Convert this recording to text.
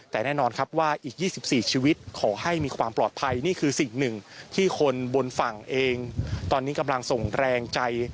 แต่แน่นอนครับว่าอีก๒๔ชีวิตขอให้มีความปลอดภัยนี่คือสิ่งหนึ่งที่คนบนฝั่งเองตอนนี้กำลังส่งแรงใจ